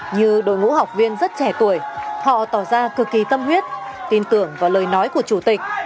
như đội ngũ học viên rất trẻ tuổi họ tỏ ra cực kỳ tâm huyết tin tưởng vào lời nói của chủ tịch